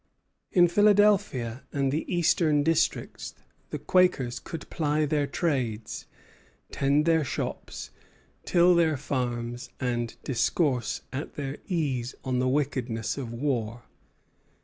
In Philadelphia and the eastern districts the Quakers could ply their trades, tend their shops, till their farms, and discourse at their ease on the wickedness of war.